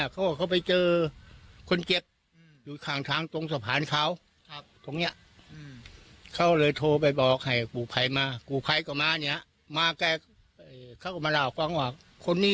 เคยเกิดอุบัติเหตุบริเวณตรงนี้บ้างไม่